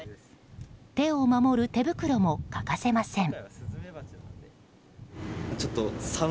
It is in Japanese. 手を守る手袋も欠かせません。